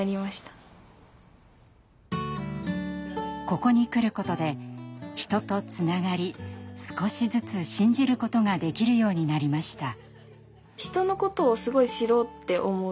ここに来ることで人とつながり少しずつ信じることができるようになりました。